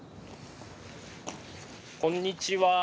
こんにちは。